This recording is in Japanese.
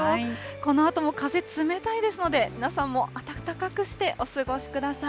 このあとも風、冷たいですので、皆さんも温かくしてお過ごしください。